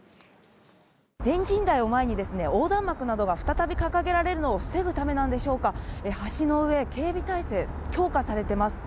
全人代を前にですね、横断幕などが再び掲げられるのを防ぐためなんでしょうか、橋の上、警備態勢、強化されています。